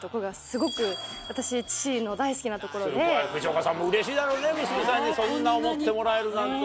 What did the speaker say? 藤岡さんもうれしいだろうね娘さんにそんな思ってもらえるなんて。